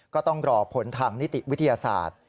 ก็ต้องรอผลทางนิติวิทยาศาสตร์